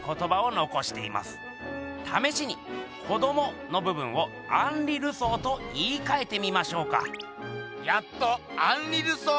ためしに「子ども」の部分をアンリ・ルソーと言いかえてみましょうか？